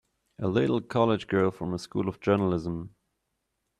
A little college girl from a School of Journalism!